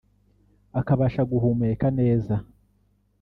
akabasha guhumeka neza